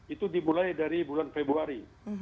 itu dimulai dari bulan februari